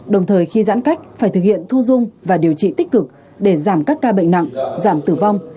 đồng thời khi giãn cách phải thực hiện thu dung và điều trị tích cực để giảm các ca bệnh nặng giảm tử vong